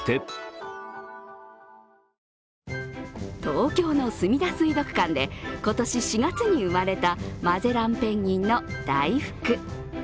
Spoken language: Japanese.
東京のすみだ水族館で今年４月に生まれたマゼランペンギンのだいふく。